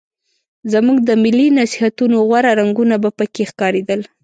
زموږ د ملي نصیحتونو غوره رنګونه به پکې ښکارېدل.